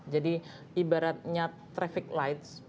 jadi ibaratnya traffic light